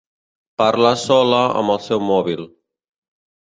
Parla sola amb el seu mòbil.